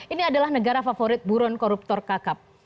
ini adalah negara favorit buron koruptor kakap